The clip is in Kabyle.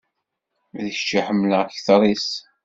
D kečč i ḥemmleɣ kteṛ-is.